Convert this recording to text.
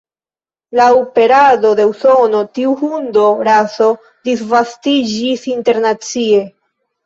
Laŭ perado de Usono tiu hundo-raso disvastiĝis internacie.